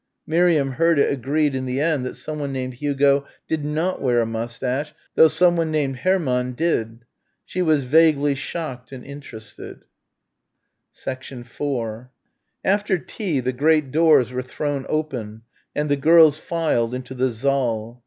Miriam heard it agreed in the end that someone named Hugo did not wear a moustache, though someone named Hermann did. She was vaguely shocked and interested. 4 After tea the great doors were thrown open and the girls filed into the saal.